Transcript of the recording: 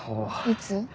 いつ？